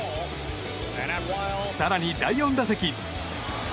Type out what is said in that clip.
更に第４打席。